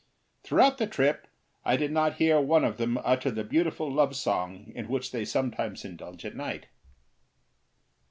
Throughout the trip I did not hear one of them utter the beautiful love song in which they sometimes indulge at night.